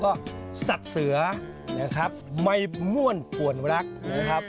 ก็สัตว์เสือนะครับไม่ม่วนป่วนรักนะครับ